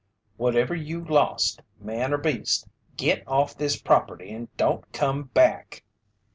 "Whatever you lost, man or beast, git off this property and don't come back!"